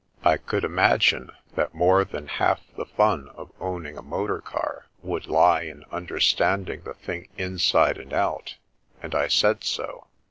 I could imagine that more than half the fun of owning a motor car would lie in understand ing the thing inside and out ; and I said so.